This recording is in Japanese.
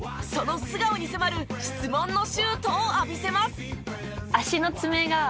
その素顔に迫る質問のシュートを浴びせます。